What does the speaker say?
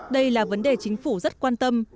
đây là vấn đề chính phủ rất quan tâm